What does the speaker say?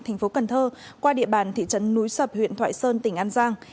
thành phố cần thơ qua địa bàn thị trấn núi sập huyện thoại sơn tỉnh an giang